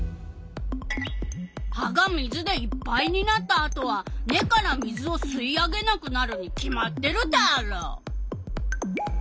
葉が水でいっぱいになったあとは根から水を吸い上げなくなるに決まってるダーロ！